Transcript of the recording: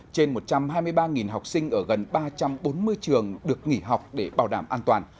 trên một trăm hai mươi ba học sinh ở gần ba trăm bốn mươi trường được nghỉ học để bảo đảm an toàn